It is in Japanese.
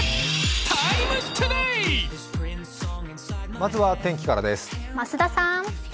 まずは天気からです。